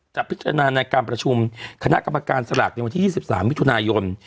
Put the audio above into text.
จะพิจารณาในการประชุมคณะกรรมการสลากในวันที่๒๓มิถุนายน